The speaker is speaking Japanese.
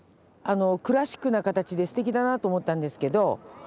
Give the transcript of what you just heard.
クラシックな形ですてきだなと思ったんですけど